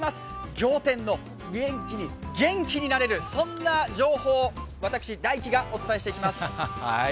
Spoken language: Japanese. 仰天の元気に、元気になれる、そんな情報、私、大輝がお伝えしていきます。